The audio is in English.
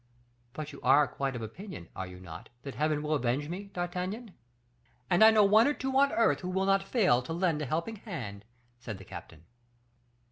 "But you are quite of opinion, are you not, that Heaven will avenge me, D'Artagnan?" "And I know one or two on earth who will not fail to lend a helping hand," said the captain.